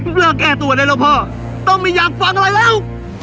เลือกแก้ตัวได้แล้วพ่อก็ไม่อยากฟังอะไรแล้ว